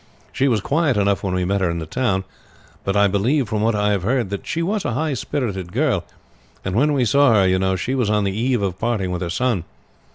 She was quiet enough when we met her in the town; but I believe from what I have heard that she was a high spirited girl, and when we saw her, you know, she was on the eve of parting with her son.